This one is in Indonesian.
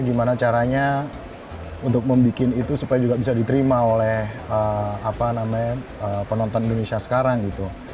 gimana caranya untuk membuat itu supaya juga bisa diterima oleh penonton indonesia sekarang gitu